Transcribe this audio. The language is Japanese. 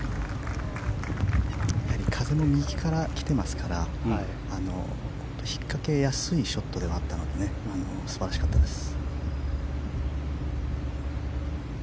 風も右から来ていますからひっかけやすいショットではあったので素晴らしかったです。